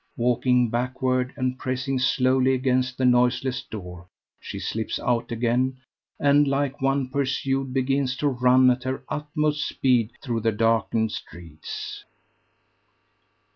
Walking backward and pressing slowly against the noiseless door, she slips out again, and, like one pursued, begins to run at her utmost speed through the darkened streets.